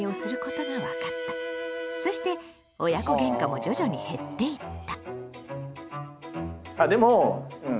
親があれこれそして親子ゲンカも徐々に減っていった。